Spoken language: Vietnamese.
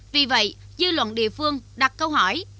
vì vậy dư luận địa phương đặt câu hỏi